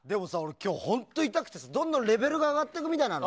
今日痛くてだんだんレベルが上がっていくみたいなんだよ。